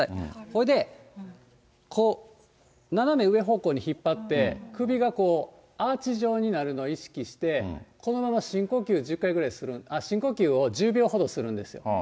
それで、こう斜め上方向に引っ張って、首がアーチ状になるのを意識して、このまま深呼吸を１０回ぐらい、深呼吸を１０秒ほどするんですよ。